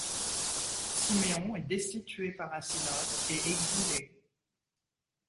Syméon est destitué par un synode et exilé.